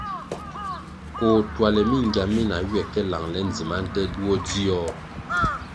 Koh tuale mingia mina ywe ka langle ndzima nte duo dzio.